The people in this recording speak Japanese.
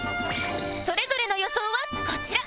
それぞれの予想はこちら